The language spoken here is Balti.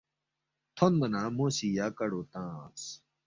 تھونما نہ مو سی یا کڑو تنگس